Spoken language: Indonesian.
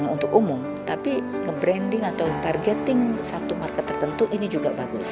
untuk umum tapi ngebranding atau targeting satu market tertentu ini juga bagus